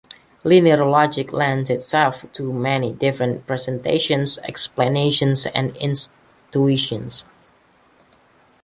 Linear logic lends itself to many different presentations, explanations and intuitions.